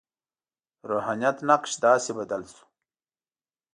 د روحانیت نقش داسې بدل شو.